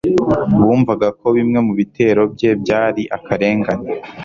Bumvaga ko bimwe mu bitero bye byari akarengane.